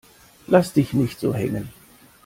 Lass dich nicht so hängen!